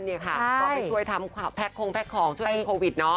ก็ไปช่วยทำแพ็กครองช่วยด้วยโควิด